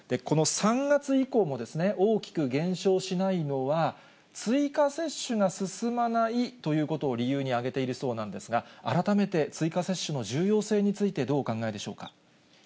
この３月以降も、大きく減少しないのは、追加接種が進まないということを理由に挙げているそうなんですが、改めて、追加接種の重要性について、どうお考えでしょうか。